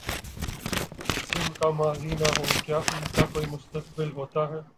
جن کا ماضی نہ ہو، کیا ان کا کوئی مستقبل ہوتا ہے؟